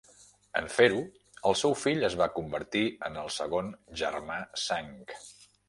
En fer-ho, el seu fill es va convertir en el segon Germà Sang.